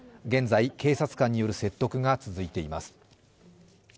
現在、警察官による説得が続いています。